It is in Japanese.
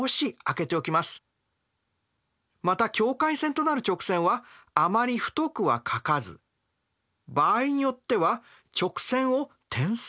また境界線となる直線はあまり太くは書かず場合によっては直線を点線で書くこともあるんですね。